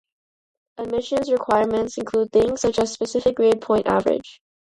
Admissions requirements include things such as a specific grade-point-average.